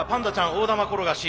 大玉転がし